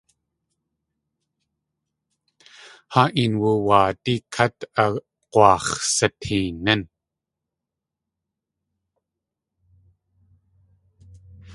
Haa een wu.aadi kát ag̲waax̲sateenín.